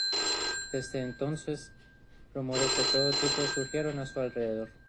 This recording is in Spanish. Desde entonces, rumores de todo tipo surgieron a su alrededor.